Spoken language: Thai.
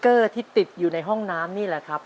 ก็เกี่ยวกับสติกเกอร์ที่ติดอยู่ในห้องน้ำนี่แหละครับ